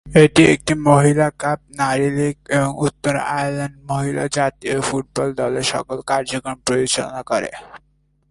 এটি একটি মহিলা কাপ, নারী লীগ এবং উত্তর আয়ারল্যান্ড মহিলা জাতীয় ফুটবল দলের সকল কার্যক্রম পরিচালনা করে।